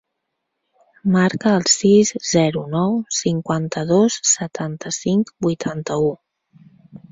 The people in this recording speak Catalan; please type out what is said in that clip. Marca el sis, zero, nou, cinquanta-dos, setanta-cinc, vuitanta-u.